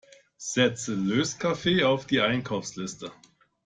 Setze Löskaffee auf die Einkaufsliste!